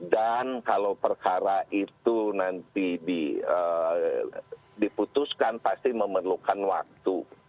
dan kalau perkara itu nanti diputuskan pasti memerlukan waktu